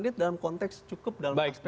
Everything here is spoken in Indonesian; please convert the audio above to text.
dia cukup dalam konteks cukup dalam aspek